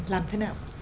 làm thế nào